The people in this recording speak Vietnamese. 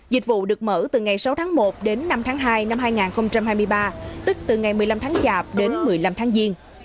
dịch vụ được mở từ ngày sáu tháng một đến năm tháng hai năm hai nghìn hai mươi ba tức từ ngày một mươi năm tháng chạp đến một mươi năm tháng giêng